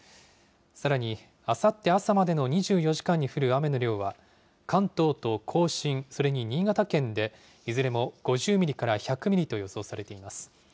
さらにあさって朝までの２４時間に降る雨の量は、関東と甲信、それに新潟県でいずれも５０ミリから１００ミリと予想されています。